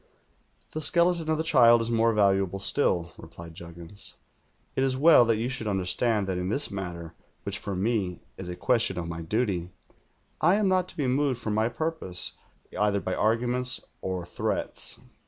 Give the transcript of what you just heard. "'The skeleton of the child is more valuable still,' replied Juggins. 'It is well that you should under stand that in this matter — which for me is a question of my duty — I am not to be moved from my purpose v'ither by arguments or threats.'